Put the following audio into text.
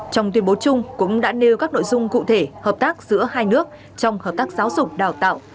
trong tuyên bố chung cũng đã nêu các nội dung cụ thể hợp tác giữa hai nước trong hợp tác giáo dục đào tạo